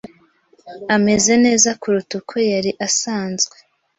Ameze neza kuruta uko yari asanzwe.